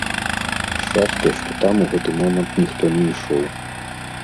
Шчасце, што там у гэты момант ніхто не ішоў.